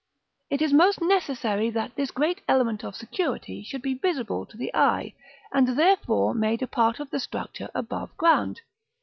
It is most necessary that this great element of security should be visible to the eye, and therefore made a part of the structure above ground.